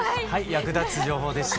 役立つ情報でした。